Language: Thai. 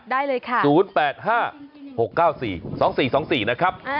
ได้เลยค่ะ๐๘๕๖๙๔๒๔๒๔นะครับ